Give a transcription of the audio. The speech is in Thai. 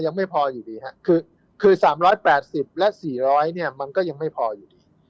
ยังไม่พออยู่ดีครับคือ๓๘๐และ๔๐๐เนี่ยมันก็ยังไม่พออยู่ดี